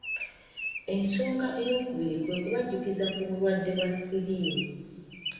Ensonga eyokubiri kwe kubajjukiza ku bulwadde bwa siriimu.